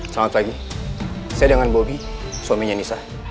selamat pagi saya dengan bobi suaminya nisa